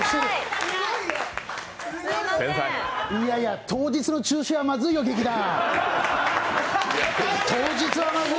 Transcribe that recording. いやいや、当日の中止はまずいよ、劇団。